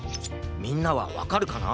みんなはわかるかな？